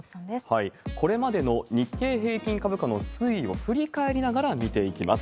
これまでの日経平均株価の推移を振り返りながら見ていきます。